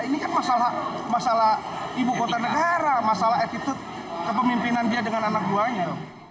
ini kan masalah ibu kota negara masalah attitude kepemimpinan dia dengan anak buahnya